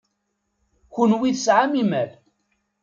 Kenwi tesɛam imal.